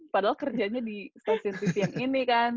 padahal kerjanya di stasiun tv yang ini kan